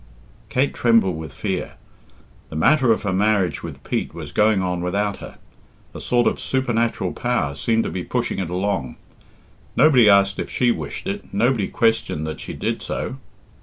Kate trembled with fear. The matter of her marriage with Pete was going on without her. A sort of supernatural power seemed to be pushing it along. Nobody asked if she wished it, nobody questioned that she did so.